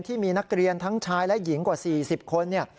ที่มีนักเรียนทั้งชายและหญิงกว่า๔๐คน